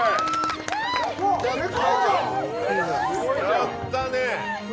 やったあ！